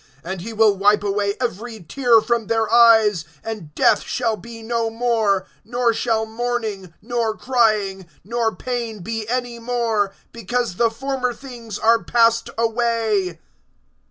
(4)And he will wipe away every tear from their eyes; and death shall be no more, nor shall mourning, nor crying, nor pain be any more; because the former things are passed away.